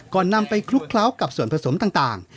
ก่อนนำไปคลุกเคลาส์กับส่วนผสมต่าง